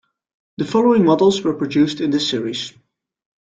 The following models were produced in this series.